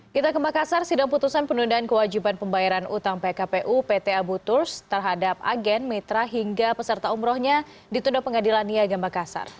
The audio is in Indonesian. kita ke makassar sidang putusan penundaan kewajiban pembayaran utang pkpu pt abu turs terhadap agen mitra hingga peserta umrohnya ditunda pengadilan niaga makassar